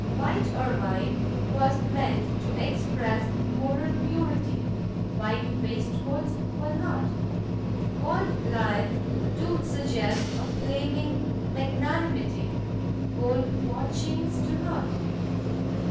White ermine was meant to express moral purity; white waistcoats were not. Gold lions do suggest a flaming magnanimity; gold watch chains do not.